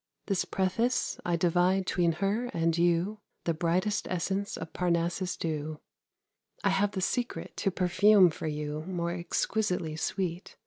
This preface I divide 'tween her and you, The brightest essence of Parnassus dew. I have the secret to perfume for you More exquisitely sweet.